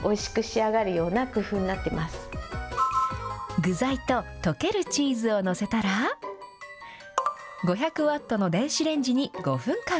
具材と溶けるチーズを載せたら、５００ワットの電子レンジに５分間。